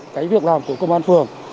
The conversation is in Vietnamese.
cái việc làm của công an phường